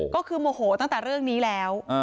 ก็คือโมโหตั้งแต่เรื่องนี้แล้ว